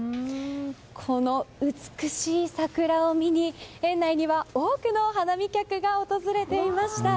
この美しい桜を見に園内には多くの花見客が訪れていました。